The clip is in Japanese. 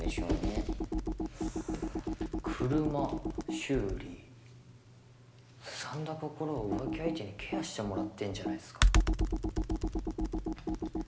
すさんだ心を浮気相手にケアしてもらってんじゃないですか？